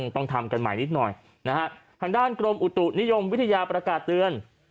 ต้องทำกันใหม่นิดหน่อยนะฮะทางด้านกรมอุตุนิยมวิทยาประกาศเตือน